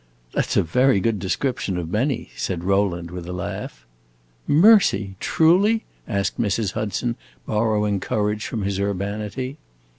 "That 's a very good description of many," said Rowland, with a laugh. "Mercy! Truly?" asked Mrs. Hudson, borrowing courage from his urbanity.